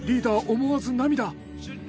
思わず涙。